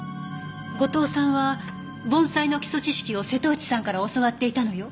後藤さんは盆栽の基礎知識を瀬戸内さんから教わっていたのよ。